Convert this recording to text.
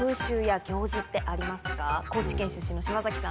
高知県出身の島崎さん